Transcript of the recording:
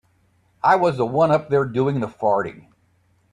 I was the one up there doing the farting.